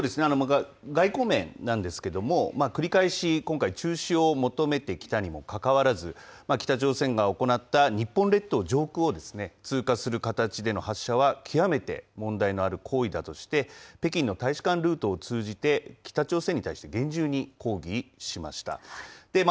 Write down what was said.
外交面なんですけれども、繰り返し今回、中止を求めてきたにもかかわらず、北朝鮮が行った日本列島上空を通過する形での発射は、極めて問題のある行為だとして、北京の大使館ルートを通じて、北朝鮮に対して厳重に抗議しました。